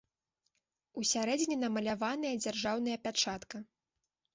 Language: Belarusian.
У сярэдзіне намаляваная дзяржаўная пячатка.